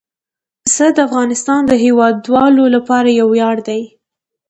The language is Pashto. پسه د افغانستان د هیوادوالو لپاره یو ویاړ دی.